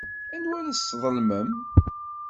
Anwa ara tesḍelmem?